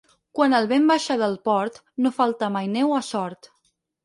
Quan el vent baixa del Port, no falta mai neu a Sort.